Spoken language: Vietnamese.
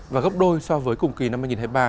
và gấp đôi so với cùng kỳ năm hai nghìn hai mươi ba